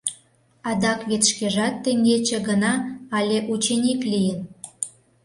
Адак вет шкежат теҥгече гына але ученик лийын.